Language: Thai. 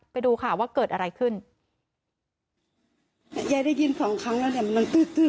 ไปดูค่ะว่าเกิดอะไรขึ้นยายได้ยินสองครั้งแล้วเนี้ยมันมันตื้อตื้อ